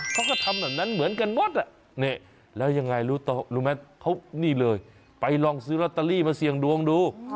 เขาก็ทำแบบนั้นเหมือนกันหมดแล้วยังไงรู้ไหมเขานี่เลยไปลองซื้อลอตเตอรี่มาเสี่ยงดวงดู